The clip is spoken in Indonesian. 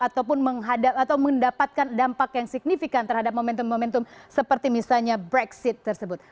atau mendapatkan dampak yang signifikan terhadap momentum momentum seperti misalnya brexit tersebut